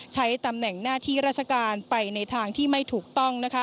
ใช้ตำแหน่งหน้าที่ราชการไปในทางที่ไม่ถูกต้อง